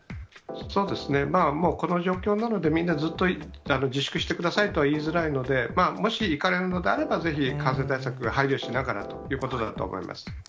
そうですね、もうこの状況なので、みんなずっと自粛してくださいとは言いづらいので、もし行かれるのであれば、ぜひ感染対策に配慮しながらということだと思います。